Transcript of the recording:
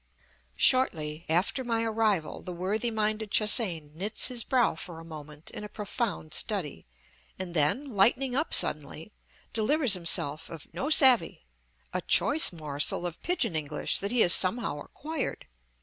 Shortly after my arrival the worthy minded Che hsein knits his brow for a moment in a profound study, and then, lightening up suddenly, delivers himself of "No savvy," a choice morsel of pidgeon English that he has somehow acquired.